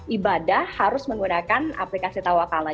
ibadah harus menggunakan aplikasi tawak kalna